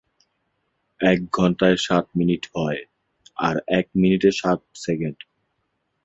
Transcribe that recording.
এক ঘন্টায় ষাট মিনিট হয়, আর এক মিনিটে ষাট সেকেন্ড।